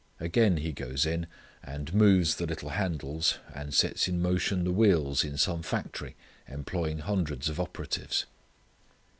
Again he goes in, and moves the little handles and sets in motion the wheels in some factory employing hundreds of operatives.